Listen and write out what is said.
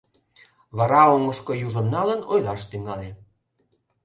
Вара оҥышко южым налын ойлаш тӱҥале.